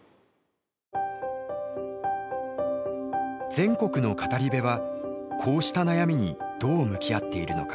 全国の語り部はこうした悩みにどう向き合っているのか。